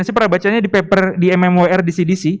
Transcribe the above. saya pernah bacanya di paper di mmwr di cdc